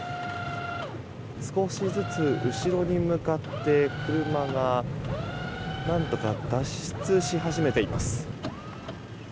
少しずつ、後ろに向かって車が脱出し始めています。